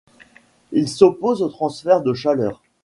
Il s'oppose aux transferts de chaleur.